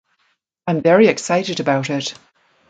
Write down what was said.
I’m very excited about it.